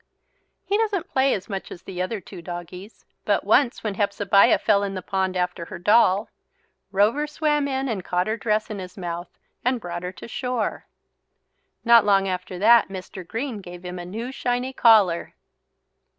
He doesn't play as much as the other two doggies. But once when Hepzebiah fell in the pond after her doll, Rover swam in and caught her dress in his mouth and brought her to shore. Not long after that Mr. Green gave him a new shiny collar.